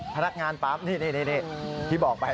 พนักงานปั๊มนี่ที่บอกไป